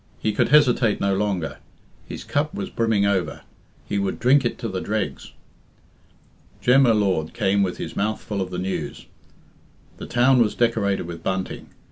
He could hesitate no longer; his cup was brimming over; he would drink it to the dregs. Jem y Lord came with his mouth full of news. The town was decorated with bunting.